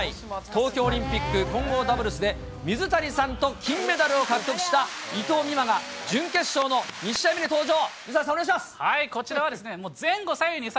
東京オリンピック混合ダブルスで、水谷さんと金メダルを獲得した伊藤美誠が、準決勝の２試合目に登場。